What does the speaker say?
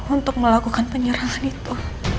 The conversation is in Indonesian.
untuk melakukan penyerangan itu